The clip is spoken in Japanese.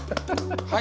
はい。